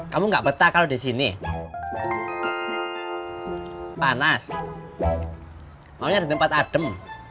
kamu nggak betah kalau di sini panas maunya di tempat adem